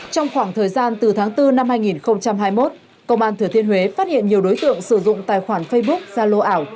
trong khoảng thời gian từ tháng bốn năm hai nghìn hai mươi một công an thừa thiên huế phát hiện nhiều đối tượng sử dụng tài khoản facebook ra lô ảo